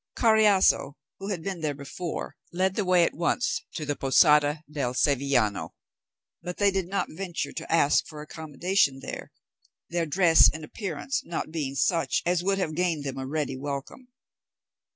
Carriazo, who had been there before, led the way at once to the Posada del Sevillano; but they did not venture to ask for accommodation there, their dress and appearance not being such as would have gained them a ready welcome.